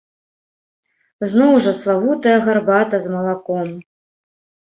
Зноў жа, славутая гарбата з малаком.